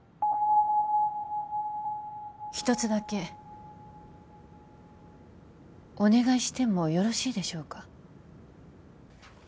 一つだけお願いしてもよろしいでしょうか